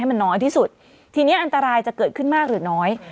มันน้อยที่สุดทีนี้อันตรายจะเกิดขึ้นมากหรือน้อย